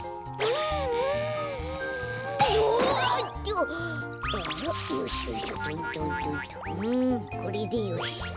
うんこれでよし。